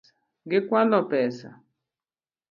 Gikwalo pesa